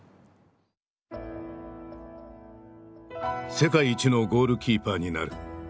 世界一のゴールキーパーになる。